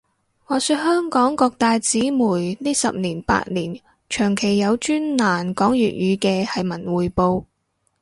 話說香港各大紙媒呢十年八年，長期有專欄講粵語嘅係文匯報